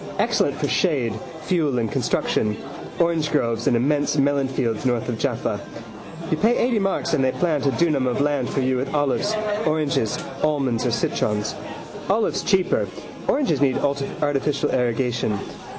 Excellent for shade, fuel and construction. Orangegroves and immense melonfields north of Jaffa. You pay eighty marks and they plant a dunam of land for you with olives, oranges, almonds or citrons. Olives cheaper: oranges need artificial irrigation.